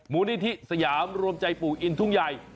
มูลนิธิสยามรวมใจปู่อินทุ่งใหญ่